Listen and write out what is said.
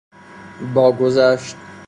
با گذشت